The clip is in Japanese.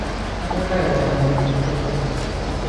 温かいお茶を飲んでホッと一息。